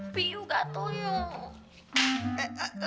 opi yuk gatel yuk